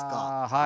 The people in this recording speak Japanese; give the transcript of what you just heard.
はい。